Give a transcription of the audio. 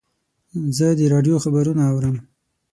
زه د راډیو خبرونه اورم.